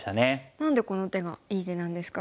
何でこの手がいい手なんですか？